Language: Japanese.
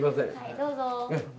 どうぞ。